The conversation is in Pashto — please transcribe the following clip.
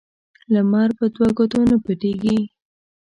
لمر په دوه ګوتو نه پټیږي